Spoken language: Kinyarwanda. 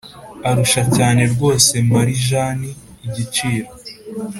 arusha cyane rwose marijani igiciro